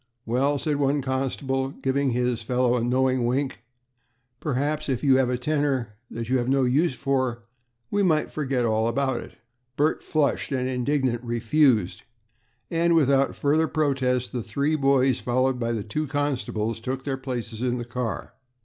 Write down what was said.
"Well," said one constable, giving his fellow a knowing wink, "perhaps if you have a 'tenner' that you have no use for, we might forget all about it." Bert, flushed and indignant, refused, and without further protest, the three boys, followed by the two constables, took their places in the car.